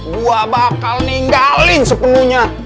gua bakal ninggalin sepenuhnya